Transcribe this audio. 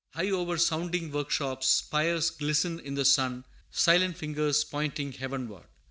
High over sounding workshops spires glisten in the sun, silent fingers pointing heavenward.